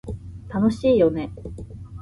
楽しいよね